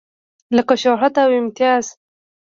لکه شهرت او امتياز.